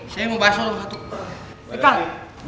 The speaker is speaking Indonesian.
saya mau pasok satu